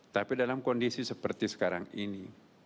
tapi dalam kondisi seperti sekarang ini